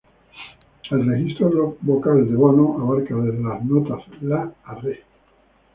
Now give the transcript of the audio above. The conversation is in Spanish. El registro vocal de Bono abarca desde las notas "la" a "re".